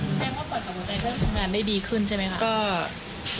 แปลงว่าปอดกับหัวใจได้ทำงานได้ดีขึ้นใช่ไหมครับ